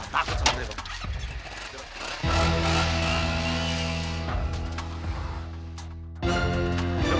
takut sama reva bang